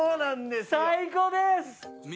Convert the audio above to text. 最高です！